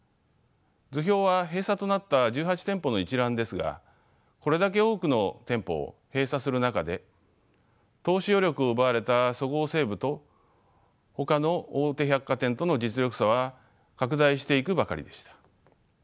図表は閉鎖となった１８店舗の一覧ですがこれだけ多くの店舗を閉鎖する中で投資余力を奪われたそごう・西武とほかの大手百貨店との実力差は拡大していくばかりでした。